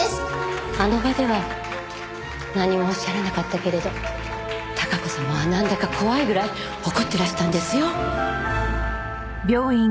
あの場では何もおっしゃらなかったけれど孝子様はなんだか怖いぐらい怒ってらしたんですよ。